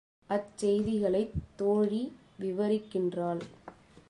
அச்செய்திகளைத் தோழி விவரிக்கின்றாள்.